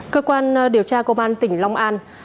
cơ quan điều tra công an tỉnh long an